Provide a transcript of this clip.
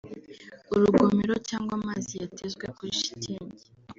urugomero cyangwa amazi yatezwe kuri shitingi